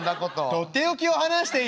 「とっておきを話しています」。